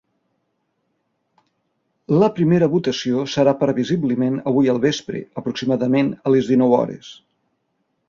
La primera votació serà previsiblement avui al vespre, aproximadament a les dinou hores.